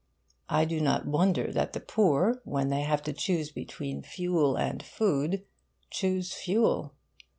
I do not wonder that the poor, when they have to choose between fuel and food, choose fuel.